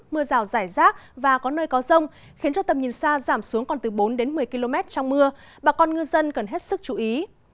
mưa rào rải rác và có nơi có rông khiến cho tầm nhìn xa giảm xuống còn từ bốn đến một mươi km trong mưa bà con ngư dân cần hết sức chú ý